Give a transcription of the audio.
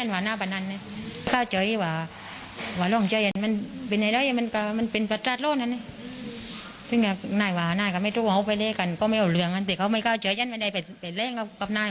ซึ่งกันฉันไม่เห็นเพราะฉันว่าหน้าประนันเลย